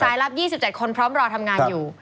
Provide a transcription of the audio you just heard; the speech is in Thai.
รับ๒๗คนพร้อมรอทำงานอยู่